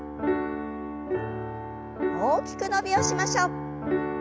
大きく伸びをしましょう。